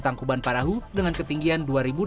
tangkuban parahu dengan ketinggian